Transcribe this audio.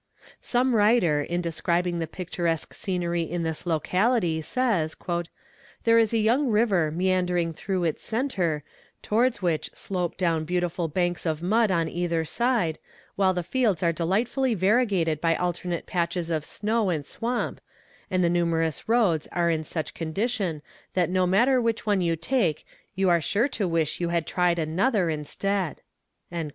Some writer in describing the picturesque scenery in this locality says: "There is a young river meandering through its center, towards which slope down beautiful banks of mud on either side, while the fields are delightfully variegated by alternate patches of snow and swamp, and the numerous roads are in such condition that no matter which one you take you are sure to wish you had tried another instead."